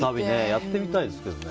やってみたいですけどね。